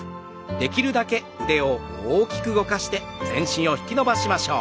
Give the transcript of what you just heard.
できるだけ腕を大きく動かして全身の筋肉を引き伸ばしていきましょう。